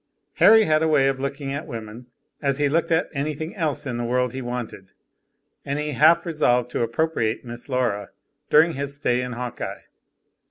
Harry had a way of looking at women as he looked at anything else in the world he wanted, and he half resolved to appropriate Miss Laura, during his stay in Hawkeye.